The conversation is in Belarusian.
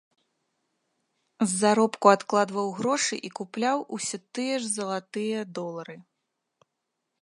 З заробку адкладваў грошы і купляў усё тыя ж залатыя долары.